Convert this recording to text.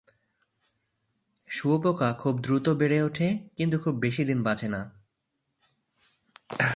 শুঁয়োপোকা খুব দ্রুত বেড়ে ওঠে, কিন্তু খুব বেশি দিন বাঁচে না।